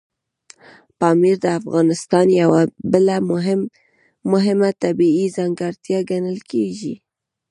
پامیر د افغانستان یوه بله مهمه طبیعي ځانګړتیا ګڼل کېږي.